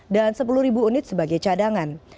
dan sepuluh ribu unit sebagai cadangan